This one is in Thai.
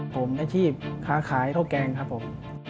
ผมอาชีพค้าขายข้าวแกงครับผม